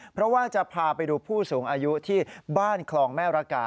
เพราะว่าจะพาไปดูผู้สูงอายุที่บ้านคลองแม่ระกา